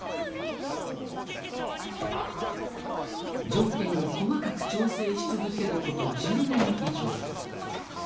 条件を細かく調整し続けること１０年以上。